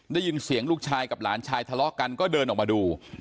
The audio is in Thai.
ได้ยินเสียงลูกชายกับหลานชายทะเลาะกันก็เดินออกมาดู